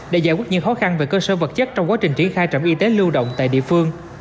để giải quyết những khó khăn về cơ sở vật chất trong quá trình triển khai trạm y tế lưu động tại địa phương